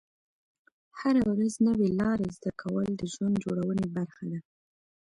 هره ورځ نوې لارې زده کول د ژوند جوړونې برخه ده.